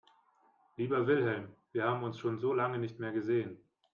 Lieber Wilhelm, wir haben uns schon so lange nicht mehr gesehen.